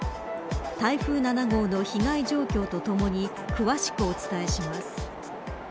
台風７号の被害の状況とともに詳しくお伝えします。